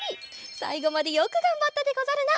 さいごまでよくがんばったでござるな。